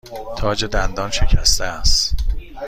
تاج دندان شکسته است.